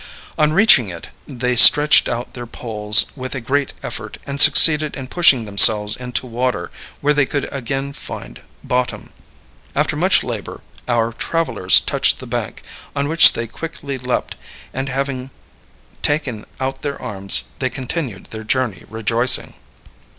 On reaching it, they stretched out their poles with a great effort, and succeeded in pushing themselves into water where they could again find bottom. After much labor, our travelers touched the bank, on which they quickly leaped, and having taken out their arms they continued their journey rejoicing.